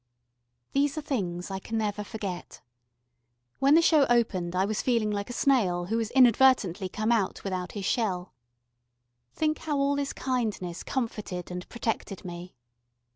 These are things I can never forget. When the show opened I was feeling like a snail who has inadvertently come out without his shell. Think how all this kindness comforted and protected me.